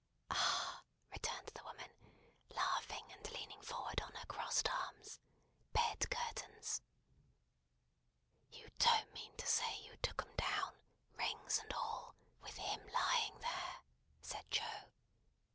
"Ah!" returned the woman, laughing and leaning forward on her crossed arms. "Bed curtains!" "You don't mean to say you took 'em down, rings and all, with him lying there?" said Joe.